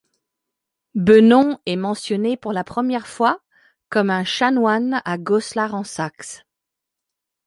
Bennon est mentionné pour la première fois comme un chanoine à Goslar en Saxe.